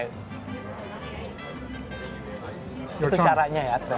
ini membuatnya mudah berjatuhan